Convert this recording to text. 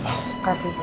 ya udah pas